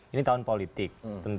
ini tahun politik